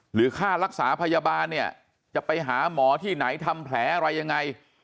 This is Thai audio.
หรือค่ารักษาพยาบาลเนี่ยจะไปหาหมอที่ไหนทำแผลอะไรยังไง